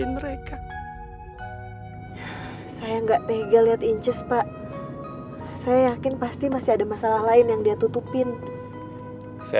mereka saya enggak tega lihat incis pak saya yakin pasti masih ada masalah lain yang dia tutupin saya